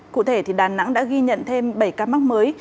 cụ thể đà nẵng đã ghi nhận thêm bảy ca mắc mới